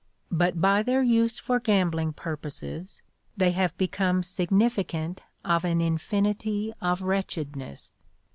But by their use for gambling purposes they have become significant of an infinity of wretchedness.